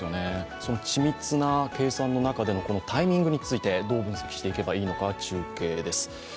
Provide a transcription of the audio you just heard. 緻密な計算の中でのタイミングについてどう分析していけばいいのか、中継です。